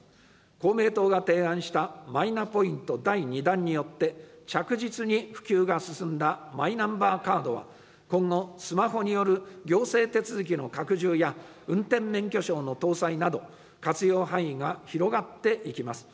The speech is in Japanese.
公明党が提案したマイナポイント第２弾によって、着実に普及が進んだマイナンバーカードは、今後、スマホによる行政手続きの拡充や、運転免許証の搭載など、活用範囲が広がっていきます。